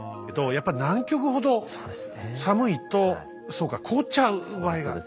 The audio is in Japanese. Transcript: やっぱ南極ほど寒いとそうか凍っちゃう場合がある。